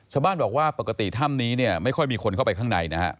ชาวบ้านบอกว่าปกติถ้ำนี้เนี่ยไม่ค่อยมีคนเข้าไปข้างในนะฮะ